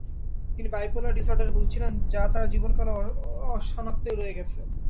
তিনি বাইপোলার ডিসর্ডারে ভুগেছিলেন যা তার জীবনকালে অসনাক্তই রয়ে গেছে।